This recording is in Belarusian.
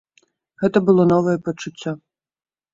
Гэта было новае пачуццё.